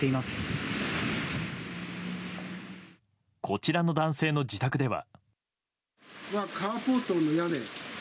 こちらの男性の自宅では。